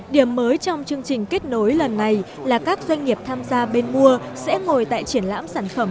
điểm mới trong chương trình kết nối lần này là các doanh nghiệp tham gia bên mua sẽ ngồi tại triển lãm sản phẩm